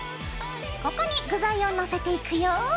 ここに具材を載せていくよ。